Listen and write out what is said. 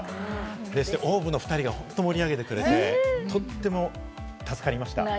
そしてＯＷＶの２人が本当盛り上げてくれて、とっても助かりました。